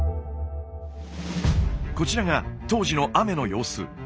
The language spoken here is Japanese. こちらが当時の雨の様子。